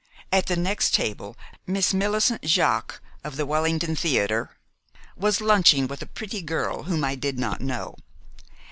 At the next table Miss Millicent Jaques, of the Wellington Theater, was lunching with a pretty girl whom I did not know.